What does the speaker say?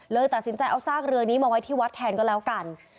ตัดสินใจเอาซากเรือนี้มาไว้ที่วัดแทนก็แล้วกัน